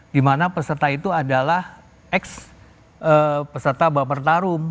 dimana peserta itu adalah ex peserta bapak pertarung